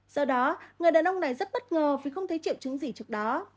do đó người đàn ông này rất bất ngờ vì không thấy triệu chứng gì trước đó